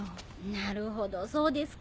なるほどそうですか。